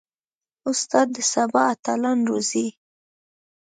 استاد د سبا اتلان روزي.